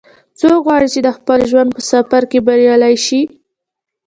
څوک غواړي چې د خپل ژوند په سفر کې بریالۍ شي